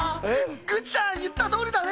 グッチさんいったとおりだね！